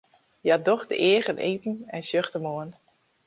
Hja docht de eagen iepen en sjocht him oan.